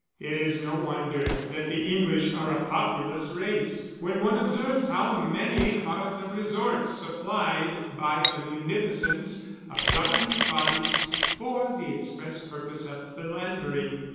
It is no wonder that the English are a populous race when one observes how many are the resorts supplied by the munificence of governing bodies for the express purpose of philandering.